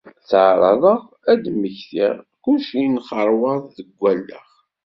Ttaɛraḍeɣ ad d-mmektiɣ, kullec yenxarweḍ deg wallaɣ.